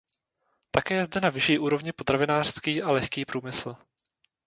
Také je zde na vyšší úrovni potravinářský a lehký průmysl.